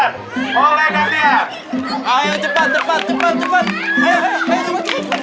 siapa yang mau ambil air siapa yang mau pegang boleh gantian